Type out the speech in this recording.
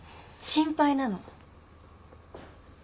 心配なの。